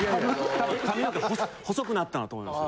たぶん髪の毛細くなったんだと思いますよ。